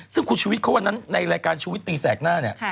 ซึ่งคุณชุวิตเขาวันนั้นในรายการชูวิตตีแสกหน้าเนี่ย